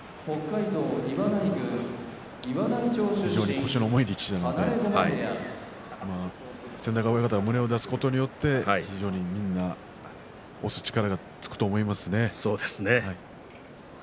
非常に腰の重い力士なので千田川親方が胸を出すことによってみんな押す力がつくと思いますね。